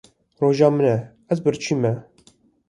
Roja min e ez birçî me.